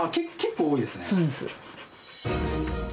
そうです。